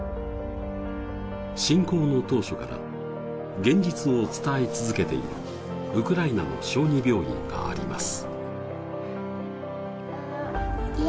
侵攻の当初から現実を伝え続けているウクライナの小児病院があります。